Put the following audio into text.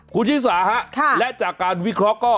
คุณชิสาฮะและจากการวิเคราะห์ก็